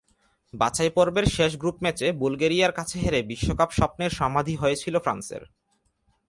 বাছাইপর্বের শেষ গ্রুপ ম্যাচে বুলগেরিয়ার কাছে হেরে বিশ্বকাপ-স্বপ্নের সমাধি হয়েছিল ফ্রান্সের।